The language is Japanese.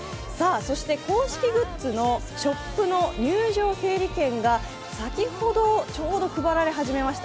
そして公式グッズのショップの入場整理券が先ほど、ちょうど配られ始めました